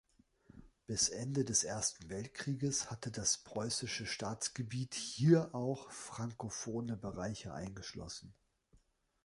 Bis Ende des Ersten Weltkrieges hatte das preußische Staatsgebiet hier auch frankophone Bereiche eingeschlossen.